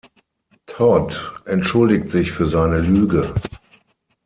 Todd entschuldigt sich für seine Lüge.